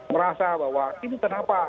merasa bahwa ini kenapa